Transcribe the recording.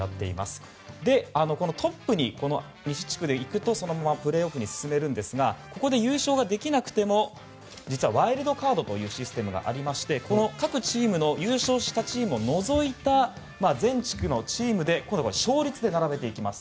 西地区ではトップにいるとそのままプレーオフに進めるんですがここで優勝できなくても実はワイルドカードというシステムがあって各チームの優勝したチームを除いた全地区のチームで今度は勝率で並べていきます。